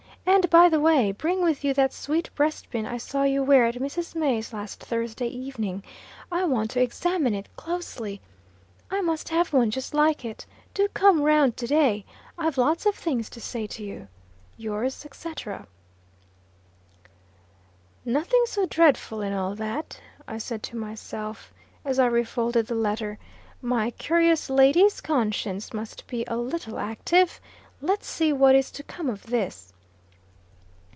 And, by the way, bring with you that sweet breastpin I saw you wear at Mrs. May's last Thursday evening. I want to examine it closely. I must have one just like it. Do come round to day; I've lots of things to say to you. Yours, &c." "Nothing so dreadful in all that," I said to myself, as I re folded the letter. "My curious lady's conscience must be a little active! Let's see what is to come of this."